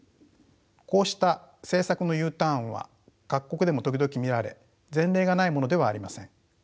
こうした政策のＵターンは各国でも時々見られ前例がないものではありません。